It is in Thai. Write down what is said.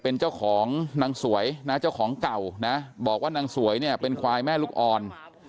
เป็นเจ้าของนางสวยนะเจ้าของเก่านะบอกว่านางสวยเนี่ยเป็นควายแม่ลูกอ่อน